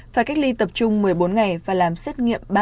và cách ly tập trung một mươi bốn ngày và làm xét nghiệm ba lần